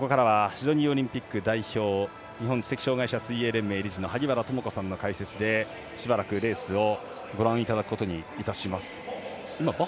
ここからはシドニーオリンピック代表日本知的障がい者水泳連盟理事の萩原智子さんの解説でしばらく、レースをご覧いただきます。